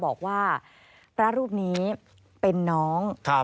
บอกว่าพระรูปนี้เป็นน้อง